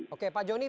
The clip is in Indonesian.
oke pak jonny